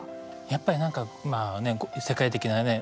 やっぱり何か世界的なね